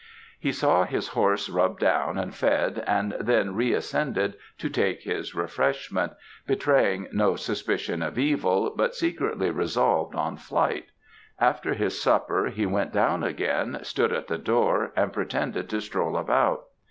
"He saw his horse rubbed down and fed, and then re ascended to take his refreshment; betraying no suspicion of evil, but secretly resolved on flight. After his supper, he went down again, stood at the door, and pretended to stroll about.